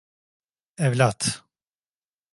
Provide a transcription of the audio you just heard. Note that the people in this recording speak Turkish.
Evlat.